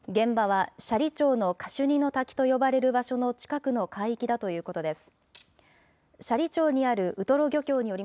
カシュニの滝と呼ばれる場所の近くの海域だということです。